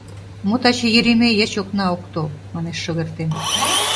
— Мо таче Йӧрӧмӧй ячокна ок тол? — манеш Шогертен.